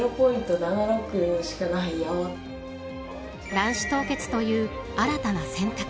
卵子凍結という新たな選択。